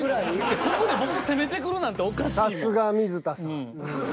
ここで僕を責めてくるなんておかしいもん。